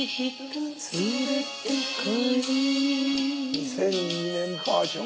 ２００２年バージョン！